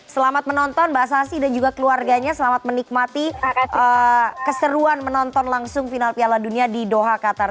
selamat menonton mbak sasy dan juga keluarganya selamat menikmati keseruan menonton langsung final piala dunia di doha qatar